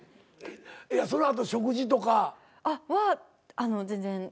その後食事とか。は全然。